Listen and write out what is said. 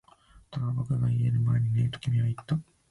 ただ、僕が答える前にねえと君は言った